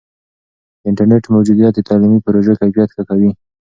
د انټرنیټ موجودیت د تعلیمي پروژو کیفیت ښه کوي.